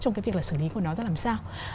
trong cái việc là xử lý của nó ra làm sao